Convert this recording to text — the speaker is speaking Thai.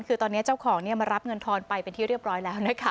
คือตอนนี้เจ้าของมารับเงินทอนไปเป็นที่เรียบร้อยแล้วนะคะ